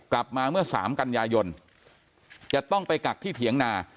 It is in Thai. กลับมาเมื่อ๓กันยายนจะต้องไปกักที่เถียงนา